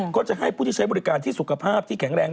ก็จะให้ผู้ที่ใช้บริการที่สุขภาพที่แข็งแรง